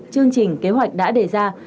chương trình kế hoạch đã đề ra